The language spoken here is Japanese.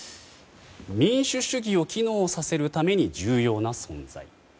民主主義を機能させるために重要な存在。